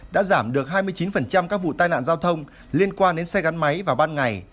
đã giảm được hai mươi chín các vụ tai nạn giao thông liên quan đến xe gắn máy vào ban ngày